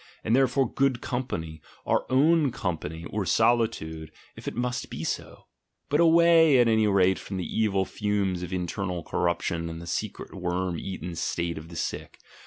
And therefore good company, our own company, or solitude, if it must be so! but away, at any rate, from the evil fumes of internal corruption i 3 2 THE GENEALOGY OF MORALS and the secret worm eaten state of the sick!